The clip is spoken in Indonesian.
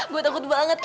gua takut banget